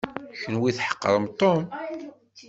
Kenwi tḥeqrem Tom.